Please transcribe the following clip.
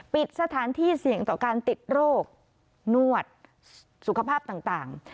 ปิดสถานที่เสี่ยงต่อการติดโรคนวดสุขภาพต่าง